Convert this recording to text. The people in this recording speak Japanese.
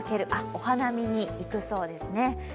お花見に行くそうですね。